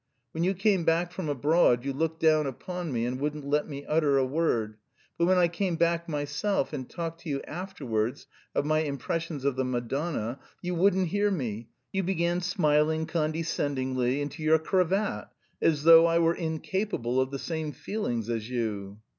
When you came back from abroad you looked down upon me and wouldn't let me utter a word, but when I came back myself and talked to you afterwards of my impressions of the Madonna, you wouldn't hear me, you began smiling condescendingly into your cravat, as though I were incapable of the same feelings as you."